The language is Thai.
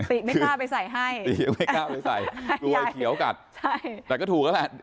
ไม่กล้าไปใส่ให้ติก็ไม่กล้าไปใส่กลัวเขียวกัดใช่แต่ก็ถูกแล้วแหละ